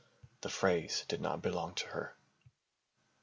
The phrase did not belong to her.